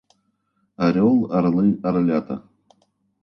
Орёл, орлы, орлята.